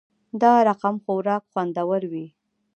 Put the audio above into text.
دا رقمخوراک خوندور وی